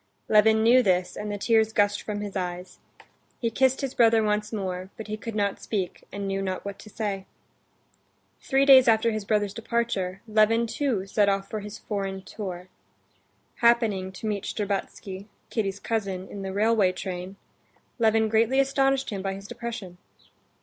Levin knew this, and the tears gushed from his eyes. He kissed his brother once more, but he could not speak, and knew not what to say. Three days after his brother's departure, Levin too set off for his foreign tour. Happening to meet Shtcherbatsky, Kitty's cousin, in the railway train, Levin greatly astonished him by his depression.